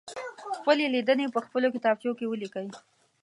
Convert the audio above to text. خپلې لیدنې په خپلو کتابچو کې ولیکئ.